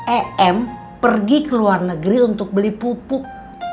em pergi ke luar negeri untuk beli pupuk